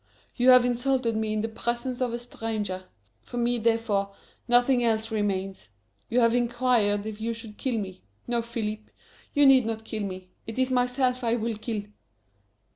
You have insulted me in the presence of a stranger; for me, therefore, nothing else remains. You have inquired if you should kill me. No, Philippe, you need not kill me; it is myself I will kill!"